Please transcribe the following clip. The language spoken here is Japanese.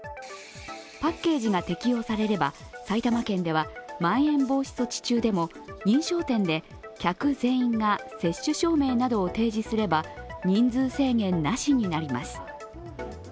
パッケージが適用されれば埼玉県ではまん延防止措置中でも認証店で客全員が接種証明などを提示すれば人数制限なしになります。